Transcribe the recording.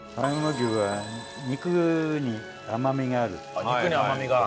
あっ肉に甘みが。